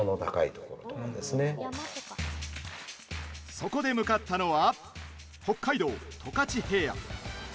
そこで向かったのは北海道、十勝平野。